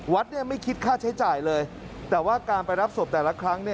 วัดไม่คิดค่าใช้จ่ายเลยแต่ว่าการไปรับศพแต่ละครั้ง